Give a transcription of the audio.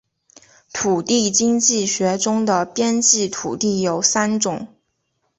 土地经济学中的边际土地有三种